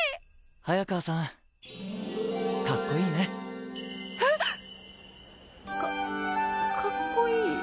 早川さんかっこいいね。かかっこいい？